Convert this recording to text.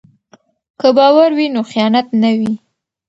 که باور وي نو خیانت نه وي.